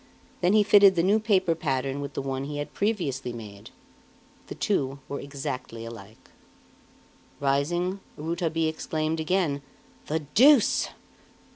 Then he fitted the new paper pattern with the one he had previously made the two were exactly alike. Rising, Rouletabille exclaimed again: "The deuce!"